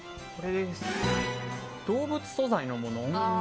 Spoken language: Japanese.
動物素材のもの。